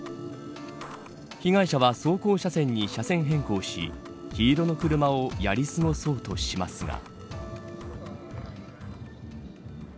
被害者は走行車線に車線変更し黄色の車をやり過ごそうとしますが。